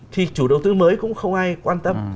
thì chủ đầu tư mới cũng không ai quan tâm